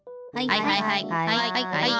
はいはいはい。